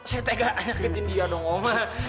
saya tega nyakitin dia dong om